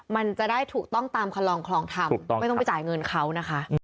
มันจะได้ถูกต้องตามคลองคลองธรรมไม่ต้องไปจ่ายเงินเขานะคะ